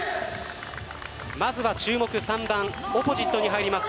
まずは注目３番・オポジットに入ります